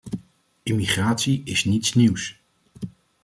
Immigratie is niets nieuws.